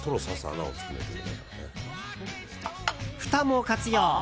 ふたも活用。